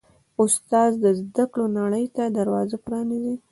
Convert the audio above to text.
استاد د زده کړو نړۍ ته دروازه پرانیزي.